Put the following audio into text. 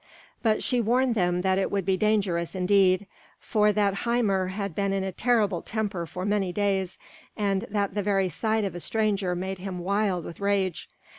But she warned them that it would be dangerous indeed, for that Hymir had been in a terrible temper for many days, and that the very sight of a stranger made him wild with rage.